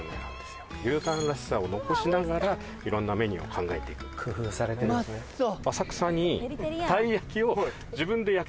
らしさを残しながら色んなメニューを考えていく工夫されてるんですねあれ？